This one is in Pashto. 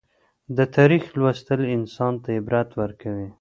د تاریخ لوستل انسان ته عبرت ورکوي.